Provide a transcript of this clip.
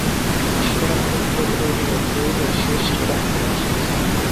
সীতারাম চমকিয়া বলিয়া উঠিল, ওই রে– সেই ডাকনী আসিতেছে।